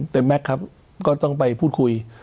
ต้องไปพูดคุย